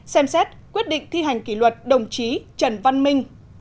xem xét quyết định thi hành kỷ luật đồng chí trần văn minh